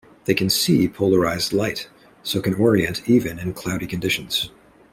They can see polarized light, so can orient even in cloudy conditions.